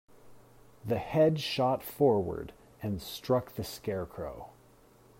The Head shot forward and struck the Scarecrow.